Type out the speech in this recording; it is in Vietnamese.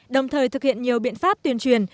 đồng thời thực hiện nhiều biện pháp tuyên truyền